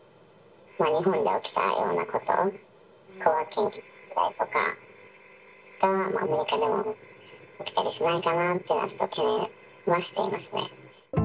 日本で起きたようなこと、高額献金とかが、アメリカでも起きたりしないかなってのは、懸念はしていますね。